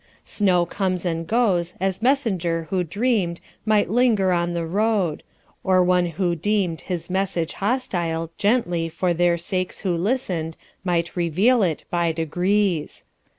Snow comes and goes as messenger who dreamed Might linger on the road; or one who deemed His message hostile gently for their sakes Who listened might reveal it by degrees.